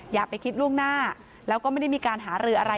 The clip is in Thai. อย่าไปคิดล่วงหน้าแล้วก็ไม่ได้มีการหารืออะไร